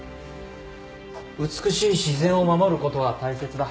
美しい自然を守ることは大切だ